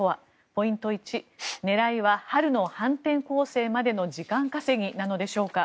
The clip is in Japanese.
ポイント１狙いは春の反転攻勢までの時間稼ぎなのでしょうか。